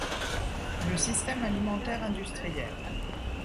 Le système alimentaire industriel